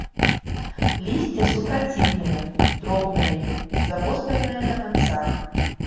Лісце супраціўнае, дробнае, завостранае на канцах.